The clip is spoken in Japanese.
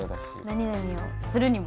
何何をするにも。